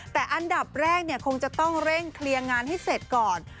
แต่อันดับแรกคงจะต้องเร่งเคลียร์งานให้เสร็จก่อน